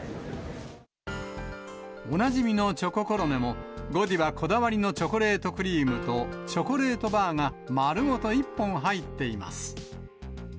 おなじみのチョココロネも、ゴディバこだわりのチョコレートクリームと、チョコレートバーが、丸ごと１本入っています。